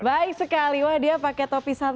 baik sekali dia pakai topi santar